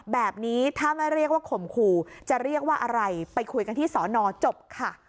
แบบนี้ถ้าไม่เรียกว่าข่มขู่จะเรียกว่าอะไรไปคุยกันที่สอนอจบค่ะ